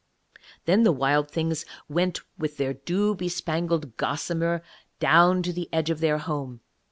Then the Wild Things went with their dew bespangled gossamer down to the edge of their home.